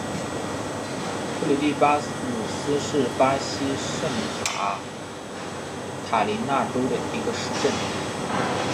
库里蒂巴努斯是巴西圣卡塔琳娜州的一个市镇。